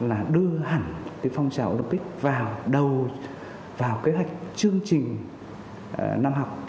là đưa hẳn cái phong trào olympic vào đầu vào kế hoạch chương trình năm học